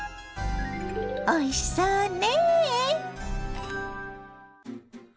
おいしそうね。